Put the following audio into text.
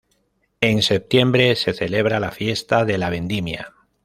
En septiembre se celebra la fiesta de la vendimia.